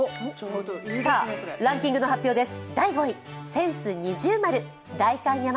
さあランキングの発表です。